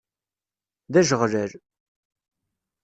D ajeɣlal.